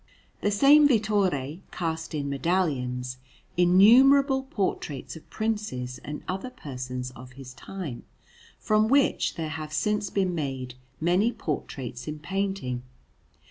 The same Vittore cast in medallions innumerable portraits of Princes and other persons of his time, from which there have since been made many portraits in painting.